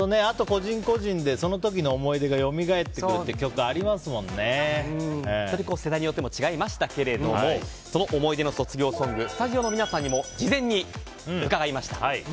あと、個人個人でその時の思い出がよみがえってくるという曲やはり世代によっても違いましたけれどもその思い出の卒業ソングスタジオの皆さんにも事前に伺いました。